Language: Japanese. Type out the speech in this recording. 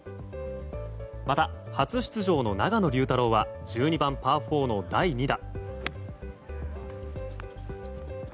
また、初出場の永野竜太郎は１２番パー４の第２打。